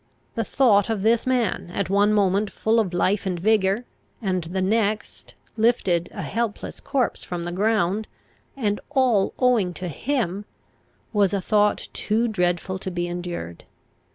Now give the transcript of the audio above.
The thought of this man, at one moment full of life and vigour, and the next lifted a helpless corpse from the ground, and all owing to him, was a thought too dreadful to be endured.